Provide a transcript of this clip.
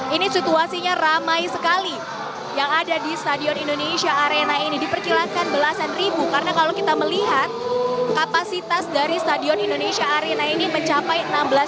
ini situasinya ramai sekali yang ada di stadion indonesia arena ini diperkirakan belasan ribu karena kalau kita melihat kapasitas dari stadion indonesia arena ini mencapai enam belas